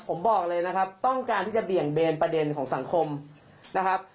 ผมบอกเลยนะครับต้องการที่จะเบี่ยงเบนประเด็นของสังคมนะครับ